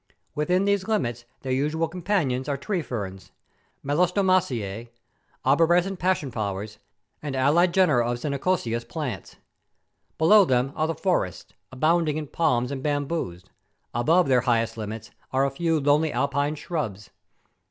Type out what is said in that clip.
Within these limits their usual companions are tree ferns, melastomaceae, arborescent passion¬ flowers, and allied genera of chinchonaceous. plants. Below them are the forests, abounding in palms and bamboos; above their highest limits are a few lonely Alpine shrubs.